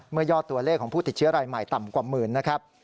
ยอดตัวเลขของผู้ติดเชื้อรายใหม่ต่ำกว่าหมื่นนะครับ